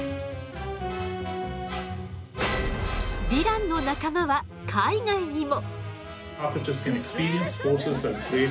ヴィランの仲間は海外にも！